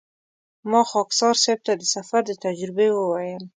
ما خاکسار صیب ته د سفر د تجربې وویل.